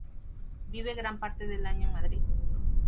Vive gran parte del año en Madrid.